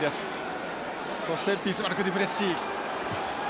そしてビスマルクデュプレシー。